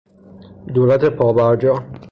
دولت پابرجا